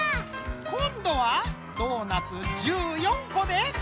こんどはドーナツ１４こで！